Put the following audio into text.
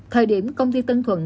thời điểm công ty tân thuận